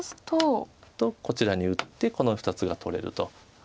とこちらに打ってこの２つが取れると。